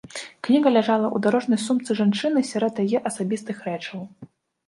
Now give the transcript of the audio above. Кніга ляжала ў дарожнай сумцы жанчыны сярод яе асабістых рэчаў.